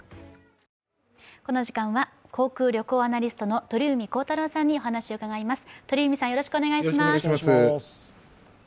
この時間は航空、旅行アナリストの鳥海高太朗さんにお話を伺います。